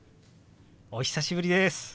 お久しぶりです！